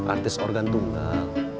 artis organ tunggal